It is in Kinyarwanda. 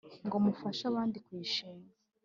ngo mufashe abandi kuyishinga